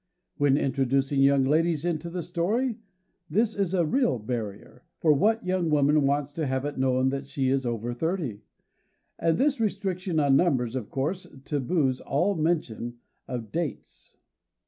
When introducing young ladies into the story, this is a real barrier; for what young woman wants to have it known that she is over thirty? And this restriction on numbers, of course taboos all mention of dates.